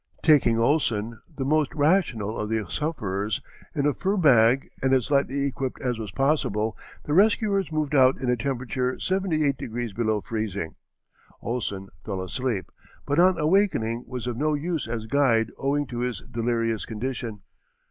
Taking Ohlsen, the most rational of the sufferers, in a fur bag, and as lightly equipped as was possible, the rescuers moved out in a temperature seventy eight degrees below freezing. Ohlsen fell asleep, but on awakening was of no use as guide owing to his delirious condition.